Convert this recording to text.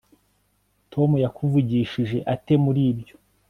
tom yakuvugishije ate muri ibyo